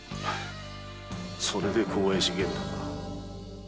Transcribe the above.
それで小林源太か。